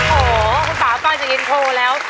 โอ้โหคุณป่าฟังจากอินโทรแล้ว